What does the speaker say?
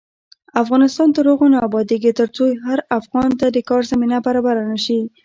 افغانستان تر هغو نه ابادیږي، ترڅو هر افغان ته د کار زمینه برابره نشي.